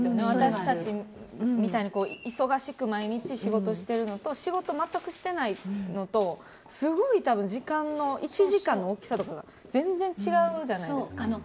私たちみたいに忙しく毎日、仕事してるのと仕事を全くしてないのとすごい多分１時間の大きさとかが全然違うじゃないですか。